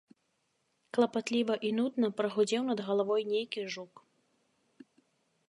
Клапатліва і нудна прагудзеў над галавой нейкі жук.